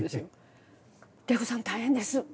「玲子さん大変です！